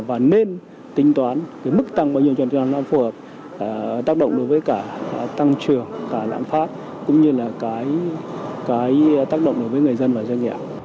và nên tính toán cái mức tăng bao nhiêu cho nó phù hợp tác động đối với cả tăng trưởng cả lãng phát cũng như là cái tác động đối với người dân và doanh nghiệp